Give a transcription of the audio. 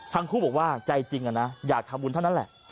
ทั้งคู่บอกว่าใจจริงนะอยากทำบุญเท่านั้นแหละ